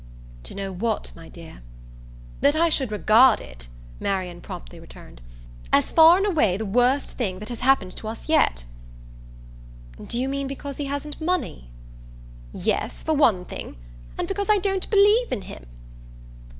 "To know what, my dear?" "That I should regard it," Marian promptly returned, "as far and away the worst thing that has happened to us yet." "Do you mean because he hasn't money?" "Yes, for one thing. And because I don't believe in him."